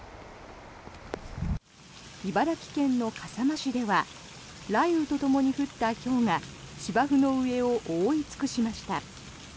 茨城県の笠間市では雷雨とともに降ったひょうが芝生の上を覆い尽くしました。